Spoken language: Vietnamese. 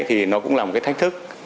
thì nó cũng là một cái thách thức